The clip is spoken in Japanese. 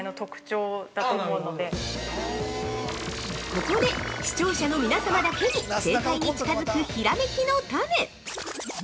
◆ここで、視聴者の皆様だけに正解に近づくひらめきのタネ！